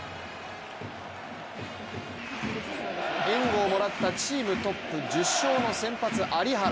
援護をもらったチームトップ１０勝の先発・有原。